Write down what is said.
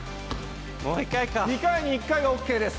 ２回に１回はＯＫです。